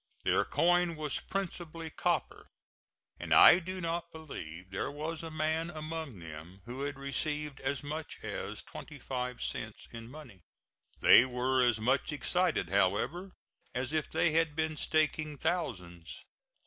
Their coin was principally copper, and I do not believe there was a man among them who had received as much as twenty five cents in money. They were as much excited, however, as if they had been staking thousands.